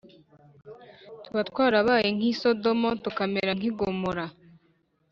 , tuba twarabaye nk’i Sodomu tukamera nk’i Gomora